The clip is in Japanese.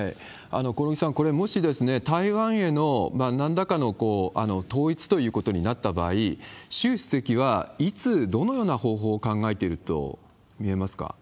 興梠さん、これ、もし台湾へのなんらかの統一ということになった場合、周主席はいつ、どのような方法を考えていると見えますか。